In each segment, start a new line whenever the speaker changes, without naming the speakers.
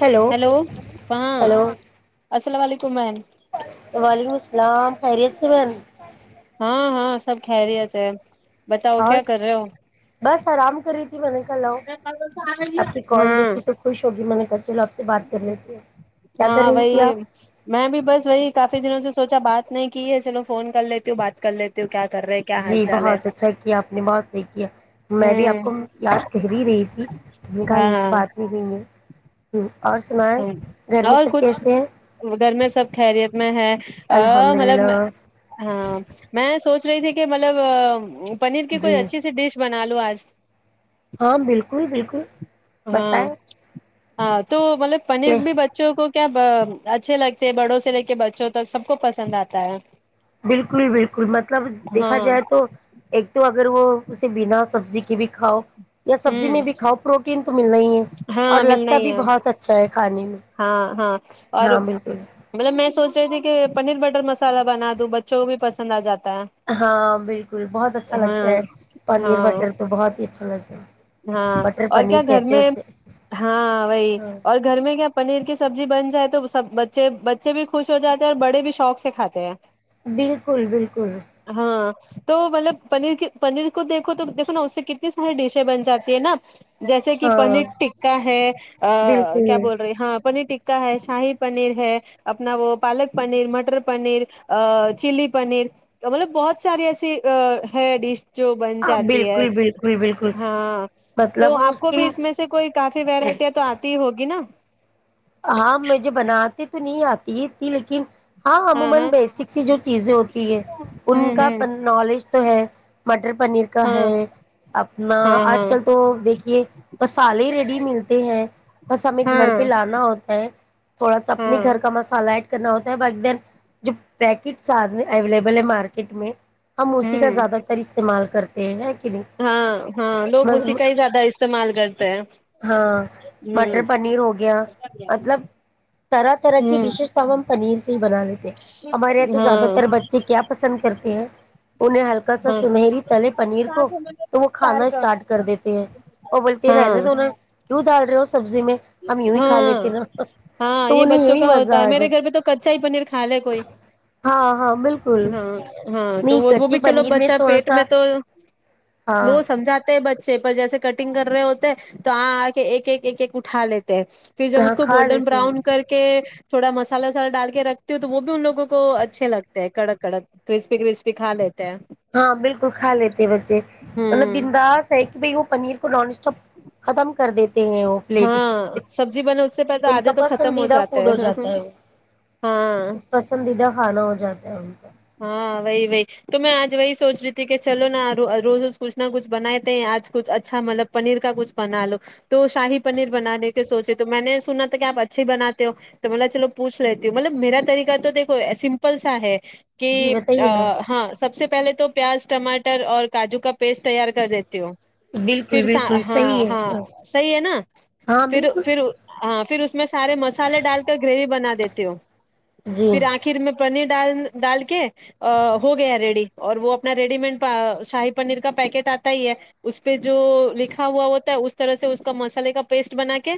hello hello
[unintelligible]
[inaudible]
ہاں ہاں سب خیریت ہے
اور
[inaudible]
بس آرام کر [inaudible]
ہاں
[inaudible] کیا کر رہی تھی آپ
[inaudible] [inaudible] [inaudible] کیا حال چال ہے ہوں
[inaudible] [unintelligible] گھر میں
یار
سب
کچھ
کیسے ہیں
گھر میں سب خیریت میں ہیں ا
الحمد
مطلب
للہ
ا میں سوچ [inaudible] فنیر کی کوئی
جی
اچھی سی ڈش بنا لو [inaudible]
ہاں بالکل بالکل [unintelligible]
ہاں [unintelligible] [unintelligible]
کہ
اچھے لگتے ہیں بڑوں سے لے کے بچوں تک سب کو
بالکل بالکل مطلب
ہاں
دیکھا جائے تو ایک پھر وہ اسے بینا سبزی کے بھی کھاؤ تو سبزی
ہوں
میں بھی کھاؤ پروٹین تو ملنا ہی ہے اور
ہاں ملنا
لگتا
ہی
بھی
ہے
بہت اچھا ہے کھانے میں
ہاں ہاں
بالکل
یعنی کہ پنیر بٹر مصالحہ بنا دو بچوں کو بھی پسند ہے
ہاں بالکل بہت اچھا لگتا
ہاں
ہے اور نیر بٹر کو بہت ہی اچھا [unintelligible] بٹر
[unintelligible] اب
پنیر کہتے ہیں اسے ہاں
جی بن جائے تو وہ سب بچے بچے بھی خوش ہو جاتے ہیں اور بڑے
بالکل بالکل
ہاں تو مطلب پن کو دیکھو تو دیکھو نا اس سے کتنی [unintelligible] جیسے کہ
ہاں
پانی ٹکا ہے کیا
بالکل
بول رہے ہیں کا ہے شاہی پنیر ہے اپنا وہ پالک پنیر مٹر پنیر چلی پنیر تو مطلب بہت سارے ایسے
اپ بالکل بالکل
ہاں تو
مطلب
اپ کو
کی
بھی اس میں سے کچھ [unintelligible]
[unintelligible] [unintelligible] ہاں عموما بیسک سی جو چیزیں ہوتی ہیں ان کا
ہوں
پنلج تو [unintelligible] انرکہ
ہوں
ہے اپنا
ہاں ہاں ہاں
اج کل تو دیکھیے مصالے ریڈی ملتے ہیں بس ہمیں گھر
ہاں
پہ
ہاں
[unintelligible] [unintelligible] [unintelligible]
ہوں
[unintelligible]
ہاں ہاں لوگ اسی کا ہی زیادہ استعمال کرتے ہیں
ہاں مٹر پنیر ہو گیا مطلب طرح طرح کی
ہوں
ڈشز [inaudible] بنا لیتے ہمارے ہاں تو زیادہ تر بچے کیا پسند کرتے ہیں انہیں ہلکا سا
ہاں
سنہری تلے پنیر کو تو وہ
چار
کھانا
کا
سٹارٹ کر دیتے ہیں اور بولتے ہیں رہنے
ہاں
دو نا دودھ کر رہے ہو سبزی میں ہم یوں ہی کالے
ہاں ہاں یہ بچوں کا ہوتا ہے
آ
میرے گھر
جاتا
پہ تو کچا ہی پنیر کھا لے کوئی
ہاں ہاں بالکل
ہاں ہاں تو
نہیں
وہ وہ
کچے
بھی چلو
پنیر میں
بچہ
تھوڑا
پیٹ
سا
میں تو
ہاں
وہ سمجھاتا ہے پر جیسے کٹنگ کر رہے ہوتے ہیں تو ایک ایک ایک ایک اٹھا لیتے پھر جب اس
ہاں
کو
کھا
گولڈن
لیتے ہیں
براؤن کر کے بڑا مصالحہ ڈال کے رکھتے ہو تو وہ بھی ان لوگوں کو اچھے لگتے ہیں کڑا کڑک تو اس پہ کرسپی کھا لیتے ہیں
ہاں بالکل کھا لیتے ہیں بچے مطلب
ہوں
بنداس ہے کہ بھئی انیر کو ختم کر دی پلیٹ
ہاں سبزی بنا اس سے پہلے
ان
آدھے
کا
تو ختم
پسندیدہ
جاتے
فوڈ ہو
ہیں
جاتا
ہاں
ہے پسندیدہ کھانا ہو جاتا ہے کا
ہاں بھائی بھائی تو میں اج نہیں سوچ رہی تھی کہ چلو نا روز اس کچھ نہ کچھ بنائے تھے اج کچھ اچھا مطلب پنیر کا کچھ بنا لو تو شاہی پنیر بنانے کے سوچے تو میں نے سنا تھا کہ اپ اچھے ہی بناتے ہو تو بولا چلو پوچھ لیتی ہوں مطلب میرا طریقہ تو دیکھو سمپل سا ہے کہ
جی بتائیے نا
ہاں سب سے پہلے تو پیاز ٹماٹر اور کاجو کا پیسٹ تیار کر دی
بالکل بالکل
ہاں
صحیح
ہاں
ہے
صحیح ہے نا
ہاں بالکل
پھر اپ سارے مصالحے ڈال کر گریوی بنا دیتے ہو
جی
پھر اخر میں بنے [inaudible] ڈال کے ہو گئے ہیں ریڈی اور وہ اپنا ریڈیمنٹ ساہی پنیر کا پیکٹ اتا ہی ہے اس پہ جو لکھا ہوا ہوتا ہے اس طرح سے اس کا مسئلے کا پیسٹ بنا کے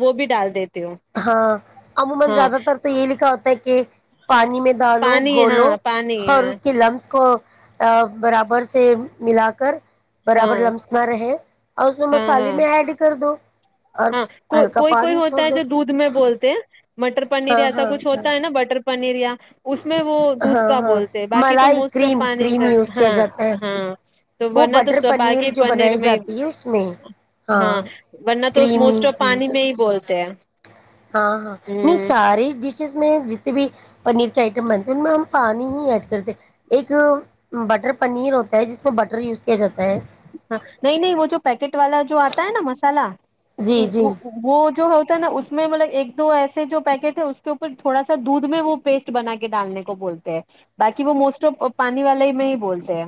وہ بھی ڈال دیں
زیادہ تر تو یہ لکھا ہوتا [inaudible] پانی میں ڈالوں
پانی ہاں
گولوں
پانی
اور
ہاں
اس کے لمس کو برابر سے ملا کر
ہاں
برابر لمس نہ رہے اس نے
ہاں
مصالحے
ہاں
میں ایڈ کر دو اور
ہاں کو
ہلکا
کوئی کوئی
پانی
ہوتا
چھوڑ دے
[inaudible] مٹر پنیر ایسا کچھ ہوتا ہے
ہاں
نا بٹر پنیریا اس میں وہ دودھ
ہاں
کا
ہاں
بولتے ہیں باقی تو
ملائی
موسٹ اف
کریم
پانی
کریم
کا
یوز کیا
ہاں
جاتا ہے
ہاں تو
وہ
ورنہ تو
بٹر
س
پنیر
باقی
جو بنائی
میں
جاتی ہے اس میں
ہاں ورنہ تو اس
کریمی
موسٹ پانی میں ہی بول
ہاں ہاں نہیں ساری ڈشز میں جتنی بھی ایک بٹر پنیر ہوتا ہے جس میں بٹر یوز کیا جاتا ہے اس کے بارے میں پتہ تو لگانا ہی ہے
نہیں نہیں وہ جو پیکٹ والا جو اتا ہے نا مصالہ
جی جی
[unintelligible] جو ہوتا ہے نا اس میں ملک ایک دو ایسے جو پیکٹ ہے اس کے اوپر تھوڑا سا دودھ میں وہ پیسٹ بنا کے ڈالنے کو بولتے ہیں باقی وہ موسٹ پانی والا ہی میں ہی بولتے ہیں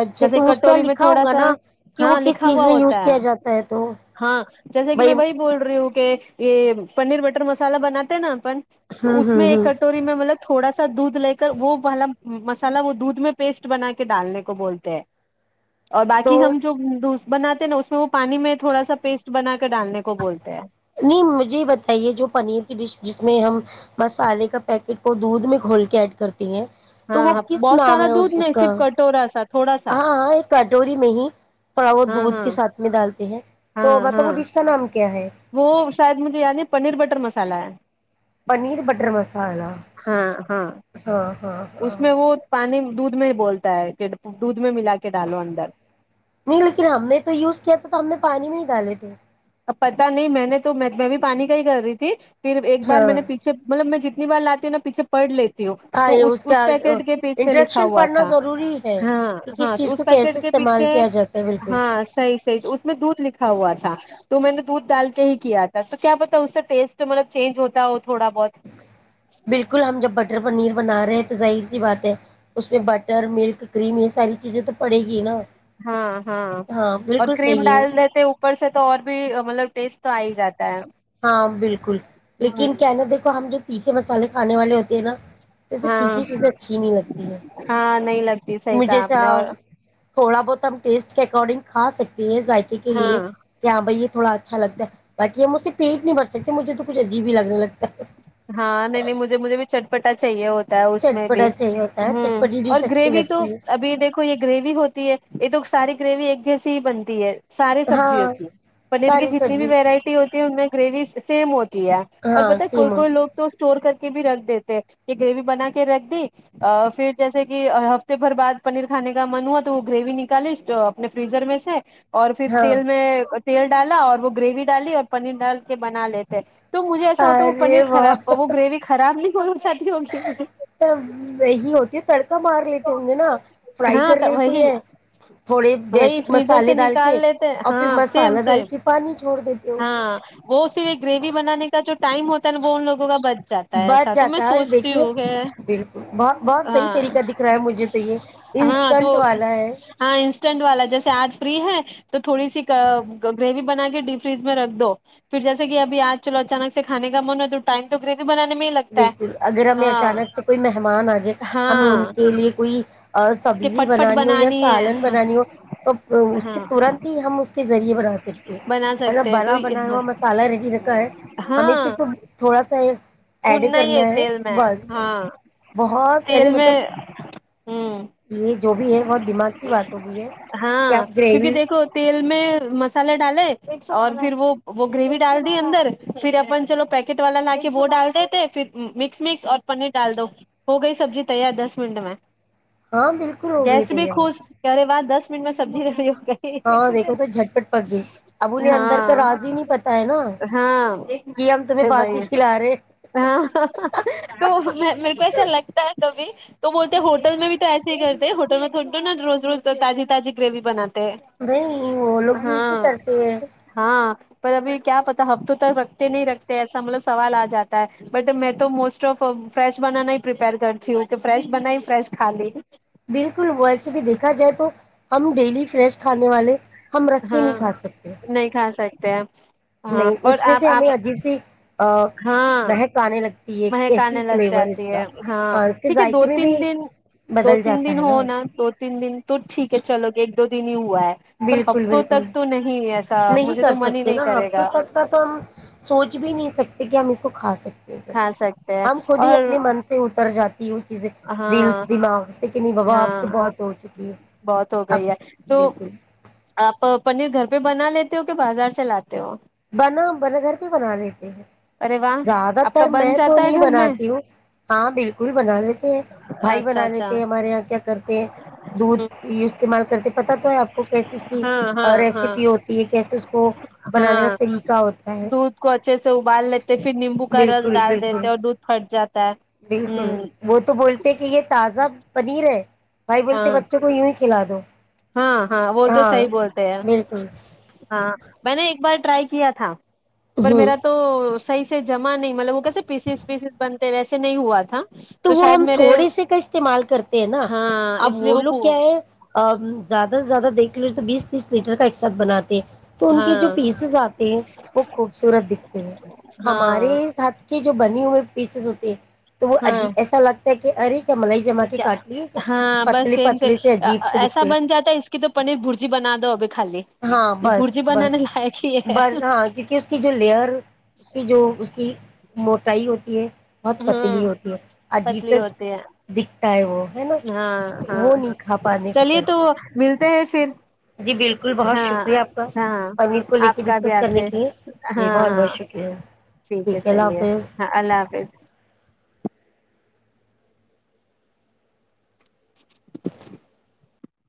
اچھا
جیسے
تو اس کا
کٹوری میں تھوڑا
ہوگا
سا
نا کہ وہ
ہاں
کس
لکھا
چیز
ہوا
میں
ہوتا
یوز کیا
ہے
جاتا تو
ہاں جیسا کہ
بھائی
میں وہی بول رہی ہوں کیونکہ پنیر بٹر مصالحہ بناتے ہیں نا تو
ہوں
اس میں
ہوں
ایک
ہوں
کٹوری میں مطلب تھوڑا دودھ لے کر وہ والا مصالحہ وہ دودھ میں پیسٹ بنا کے ڈالنے کو بولتے ہیں اور
تو
باقی ہم جو بناتے ہیں نا اس میں وہ پانی میں تھوڑا سا پیسٹ بنا کے ڈالنے کو بولتے ہیں
نہیں مجھے بتائیے جو پنیر کی جس میں ہم مصالحے کا پیکٹ کو دودھ میں گھول کے ایڈ کر دیں
ہاں بہت سارا دودھ
اس
نسب کٹ ہو رہا ہے ساتھ تھوڑا سا
کنٹوری میں ہی
ہاں
دودھ
ہاں
کے ساتھ میں ڈالتے ہیں تو میں تو وہ ڈش کا نام کیا ہے
تو شاید مجھے یاد ہے پٹر مصالحہ ہے
پنیر بٹر [unintelligible]
ہاں ہاں اس میں وہ دودھ میں بولتا ہے کہ میں ملا کے ڈالو اندر
لیکن ہم نے تو یوز کیا تھا تو ہم نے پانی میں [unintelligible]
اب پتا نہیں میںنے تو میں بھی پانی کا ہی کر رہی تھی پھر میںنے ایک بار
ہاں
پیچھے مطلب میں جتنی بار لاتی ہوں نہ پیچھے پڑھ لے
ہاں
تو اس
کا
پیکٹ کے پیچھے لکھا
انٹریکشن
ہوا
پڑھنا
تھا
ضروری ہے
ہاں
کہ
ہاں
کس چیز
اس
کو کیسے
پیکٹ کے
استعمال
پیچھے
کیا جاتا ہے بالکل
ہاں صحی صحی ااس میں دودھ لکھا ہوا تھا تو میں نے دودھ ڈالتے ہی کیا تھا تو کیا پتہ اس سے ٹیسٹ مطلب چینج ہوتا ہو تھوڑا
بلکل ہم جب بچپن مٹر پنیر بنا رہے ہیں تو ظاہر سی بات ہے اس میں بٹر ملک کریم یہ ساری چیزیں تو پڑے گی نا
ہاں ہاں اور
بالکل
کریم
صحیح ہے
ڈال دیتے ہیں اوپر سے تو ٹیسٹ اور بھی [unintelligible]
ہاں بلکل
ہ
لیکن کیا ہے نہ دیکھو ہم جب تیکھے مسئلے کھانے والے ہوتے ہیں نہ [inaudible] جیسے
ہاں
پھیکی چیزیں اچھی نہیں لگتی ہے
ہاں نہیں لگتی صحیح
مجھے
کہا آپ نے اور
سب تھوڑا بہت ہم ٹیسٹ کے ایکاڈنگ خا سکتے ہیں یہ زیکھے کے لیے
ہاں
کی ہاں بھئی تھوڑا اچھا لگتا ہے بٹ یے مجھسے پیٹ نہیں بھر سکتے مجھے تو کچھ عجیب حی لگنے لگتا ہے
ہاں نہیں نہیں مجھے مجھے بھی چٹپٹا چاہیے ہو ہوتا ہے اس میں بھی
چٹپٹا چاہیے ہوتا ہے
حم
چٹپٹی
اور
ڈش اچھی
گریوی تو
لگتی
اب یہ دیکھو یے گریوی ہوتی ہے یے تو ساری گریوی ایک جیسی ہی بنتی ہے ساری
ہے
سبزیوں
ہاں
کی پنیر کی
ساری
جتنی بھی
سبزی
ورائٹی ہوتی ہے ان میں گریوی سیم ہو تی ہے اور
ہاں
پتا ہے کوئی
سیمون
کوئی لوگ تو اسٹور کرکے بھی رکھ دیتے ہیں کے گریوی بنا کر رکھ دے پھر جیسا کی ہفتے بھر بعد پنیر کھانے کا من ہوا تو وہ گریوی نکلے آپنے فریزر میں سے اور پھر
ہاں
تیل میں تیل ڈالا اور وہ گریوی ڈالی اور وہ پنیر ڈال کے بنا لیتے تو مجھے ایسا ہوتا وہ پنیر
ارے
خراب وہ گریوی خراب [unintelligible]
نہیں ہوتی تڑکا تڑکا مار لیتے ہونگے نہ
ہاں تو وہی وہی فریزر سے نکال لیتے ہاں سیم سیم ہاں وہ صرف گریوی بنانے کا جو ٹائم وہ ہوتا ان لوگوں کا [unintelligible] ایسا
بچ
تو میں
جاتا ہے اور
سوچتی
دیکھیے
ہوں کہ
بلکل بہت بہت
ہاں
صحی طریقہ دیکھ رہا ہے مجھے تو یہ
ہاں تو
انسٹنٹ والا ہے
ہاں انسٹنٹ والا جیسے آج فری ہے تو تھوڑی سی گریوی بنا کے ڈی فریج میں رکھ دو پھر جیسے کہ ابھی آج چلو اچانک سے کھانے کا من ہے تو ٹایم گ
بلکل اگر ہمیں اچانک سے کوئی مہمان آ جائے ںم ان
ہاں
کے لی کوئی
کہ
سبزی
فٹ فٹ
بنانی ہو یا سالن
ہے
بنانی ہو تو اس کے
ہاں
ترنت ہی ہم اس کے ذریعے بنا سکتے
بنا
ہیں
سکتے تو
بڑا بنا ہوا مسالہ ریڈی رکھا ہے ہمیں
ہاں
صرف تھوڑا سا ایڈ
بھوننا ہی
کرنا ہے
تیل میں
بس
ہاں
بہت یعنی
تیل میں
مطلب
ہوں
یہ جو بھی ہے بہت دماغ کی بات ہو گئی ہے کہ
ہاں
آپ
کیونکہ
گریوی
دیکھو تیل میں مسالے ڈالے اور پھر وہ وہ گریوی ڈال دی اندر پھر اپن چلو پیکٹ والا لا کے وہ ڈال تھے پھر مکس مکس اور پنیر ڈال دو ہو گئی سبزی تیار دس منٹ میں
ہاں بالکل ہو گئی
جیسے بھی
تیار
خوش کیا رے واہ دس منٹ میں سبزی کر رہی ہوں
ہاں دیکھو تو جھٹپٹ پک گئی اب انہیں اندر کا
ہاں
راز ہی نہیں پتا ہے نا
ہاں
کہ اب تمہیں بازی
بھائی
کھلا رہے
ہاں تو میرے کو ایسا لگتا ہے کبھی تو بولتے ہوٹل میں بھی تو ایسے ہی کرتے ہیں ہوٹل میں تھوڑی نا روز روز تازی تازی گریوی بناتے
نہیں وہ لوگ بھی
ہاں
اسے کرتے ہیں
ہاں پر ابھی کیا پتا ہفتوں تک رکھتے نہیں رکھتے سمبلو سوال آ جاتا بٹ میں تو موسٹ آف فریش بنانا ہی پرپیر کرتی ہوں کہ فریش بنای فریش کھا لی
بلکل ویسے بھی دیکھا جائے تو ہم ڈیلی فریش کھانے والے ہم رکھ کے نہیں کھا سکتے
پیمپ
نہیں اس میں سے ہمیں عجیب سی آ،
ہاں
مہک آنے لگتی ہے
مہک
کیسی
آنے لگ
فلیور اس
جاتی ہے
کا
ہاں
اس کے
ٹھیک ہے دو
ذائقے میں
تین
بھی
دن دو
بدل
تین دن
جاتا ہے نا
ہونا دو تین دن تو ٹھیک ہے چلو ایک د نہیں [unintelligible] ہوا ہے پر
بالکل
ہفتوں تک
بالکل
تو نہیں ہیں ایسا
نہیں
مجھے
کر
تو من ہی
سکتے
نہیں
نا
کرے
ہفتوں
گا
تک کا تو ہم سوچ بھی نہیں سکتے تاکہ ہم اس کو کھا سکے
کھا سکتے ہیں
ہم خود ہی
اور
اپنے من سے اتر جاتے کہ وہ چیزیں دل
ہاں
دماغ سے نہیں بابا اب تو
ہاں
بہت ہو چکی ہے
بہت ہو
اب
گئی ہے تو
بالکل
آپ پنیر گھر بای بنا لیتے ہو کہ بازار سے لاتے ہو
بنا بنا گھر پہ بنا لیتی ہیں
ارے واہ
زیادہ
آپ
تر
کا بن
میں تو
جاتا ہے
نہیں
گھر میں
بناتی ہوں ہاں بلکل بنا لیتے ہیں بھائی
اچھا
بنا
اچھا
لیتے ہیں ہمارے کیا کرتے ہیں دودھ استعمال کرتے پتا تو ہے آپ کو کیس اس کی
ہاں ہاں ہاں
ریسیپی ہوتی ہے کیسے اس کو بنانے
ہاں
کا طریقہ ہوتا ہے
دودھ کو اچھے سے ابال لیتے پھر نیمبو کا رس
بالکل
ڈال دیتے
بالکل
اور دودھ پھٹ جات
بالکل وہ تو بولتے ہیں کہ یہ تازہ پنیر ہے بھائی بولتے
ہاں
بچوں کو یوں کلا دو
ہاں ہاں وہ تو صحی بولتے ہیں
بالکل
ہاں میں نے ایک بار ٹرائی کیا تھا پر
ہوں
میرا تو صحیح سے جمع نہیں مطلب وہ کیسے پیسز پیسز بنتے ویسے نہیں ہوا تھا
تو وہ
شاید
ہم
میرے
تھوڑے سے کا استعمال کرتے ہیں نا
ہاں
اب
اس لیے
وہ لوگ
کو
کیا ہے زیادہ سے زیادہ دیکھ لیے تو بیس تیس لیٹر کا ایک ساتھنات [unintelligible] تو ان کے جو
ہاں
پیسز آتے ہیں وہ خوبصورت دکھتے ہیں
ہاں
ہمارے ہ کہ جو بنی ہوئے پیسز ہوتے تو وہ
ہاں
اجیب کہ ار ک ملائی جما کے
کیا
کاٹ لی
ہاں بس
پتلے
سیم
پتلے سے
سیم
عجیب سے
ایسا
دکھتے
بن جاتا ہے اس کی تو پنیر برجی بنا دو ابھی خالی
ہاں
یہ
بس
برجی
بس
بنانے لائق ہی
ب
ہے
ہاں کیونکہ اس کی جو لیئر اس کی جو کی موٹائی ہوتی ہے بہت پتیلی
ہاں
ہوتی ہے
پتلی ہوتی ہیں
ت ہے وہ ہے نا
ہاں ہاں
وہ نہیں کھا پانے کو
چلیے تو
کرتی ہے
ملتے ہیں پھر
جی بالکل بہت
ہاں
شکریہ آپ کا
ہاں
پنیر کو لے کے
آپ کا بھی
ڈسکس کرنے
آتے
کے لیے جی
ہاں
بہت
ہاں
بہت شکریہ ٹھیک ہے اللہ
چلیے
حافظ
ہاں اللہ حافظ [inaudible]